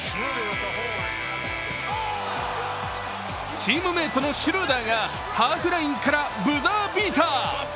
チームメートのシュルーダーがハーフラインからブザービーター。